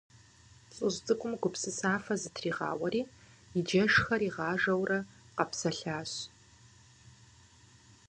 ЛӀыжь цӀыкӀум гупсысафэ зытригъауэри, и джэшхэр игъажэурэ къэпсэлъащ.